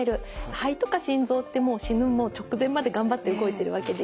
肺とか心臓ってもう死ぬ直前まで頑張って動いてるわけです。